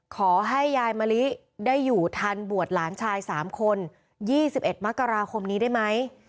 ขอให้ยายมะลิได้อยู่ทันบวชหลานชาย๓คน๒๑มกราคมนี้ได้ไหม